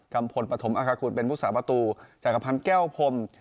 พลปฐมอาคาคุณเป็นผู้สาประตูจักรพันธ์แก้วพรม